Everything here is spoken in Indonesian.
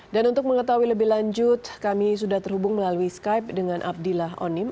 dan untuk mengetahui lebih lanjut kami sudah terhubung melalui skype dengan abdillah onim